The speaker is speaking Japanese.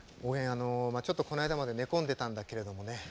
あのちょっとこの間まで寝込んでたんだけれどもね